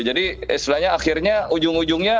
jadi istilahnya akhirnya ujung ujungnya